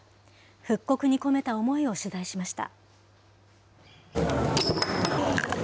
復刻に込めた思いを取材しました。